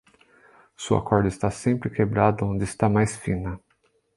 Sua corda está sempre quebrada onde está mais fina.